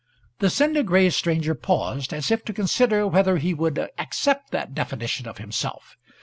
The cinder gray stranger paused, as if to consider whether he would accept that definition of himself.